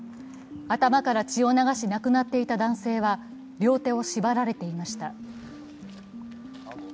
頭から血を流し亡くなった男性は両手を縛られていました。